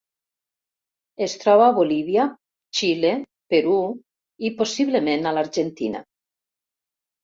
Es troba a Bolívia, Xile, Perú, i possiblement a l'Argentina.